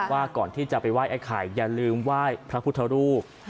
ว่าก่อนที่จะไปไหว้ไอ้ไข่อย่าลืมไหว้พระพุทธรูป